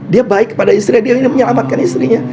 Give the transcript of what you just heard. dia baik kepada istrinya dia ingin menyelamatkan istrinya